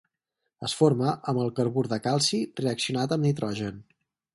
Es forma amb el carbur de calci reaccionat amb nitrogen.